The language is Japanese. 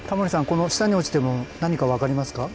この下に落ちてるの何か分かりますか？